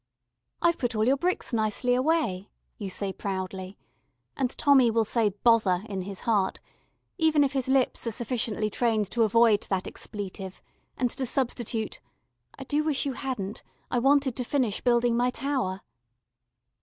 "I've put all your bricks nicely away," you say proudly; and Tommy will say "Bother!" in his heart, even if his lips are sufficiently trained to avoid that expletive and to substitute: "I do wish you hadn't: I wanted to finish building my tower."